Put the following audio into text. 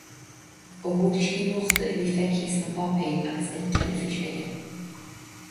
Ó thuairiscí nuachta a bhí feicthe sna páipéir agus ar an teilifís aige.